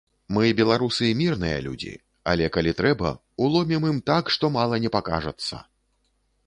Мы, беларусы, мірныя людзі, але, калі трэба, уломім ім так, што мала не пакажацца.